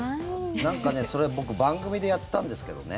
なんか、それ僕、番組でやったんですけどね。